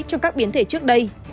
trong các biến thể trước đây